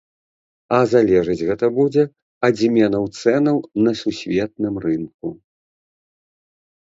А залежыць гэта будзе ад зменаў цэнаў на сусветным рынку.